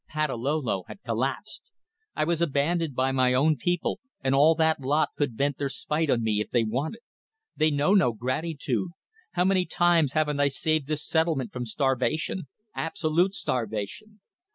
Patalolo had collapsed. I was abandoned by my own people, and all that lot could vent their spite on me if they wanted. They know no gratitude. How many times haven't I saved this settlement from starvation? Absolute starvation.